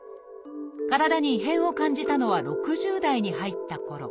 体に異変を感じたのは６０代に入ったころ。